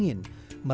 dari yang sama